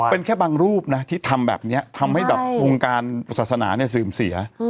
เป็นแค่บางรูปนะที่ทำแบบนี้ทำให้แบบวงการศาสนาเนี่ยเสื่อมเสีย